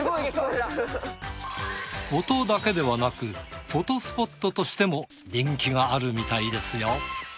音だけではなくフォトスポットとしても人気があるみたいですよ。